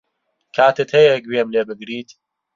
کاتت هەیە گوێم لێ بگریت؟